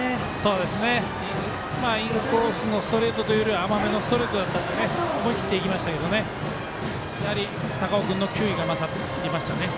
インコースのストレートというよりは甘めのストレートだったので思い切っていきましたけど高尾君の球威が勝りましたね。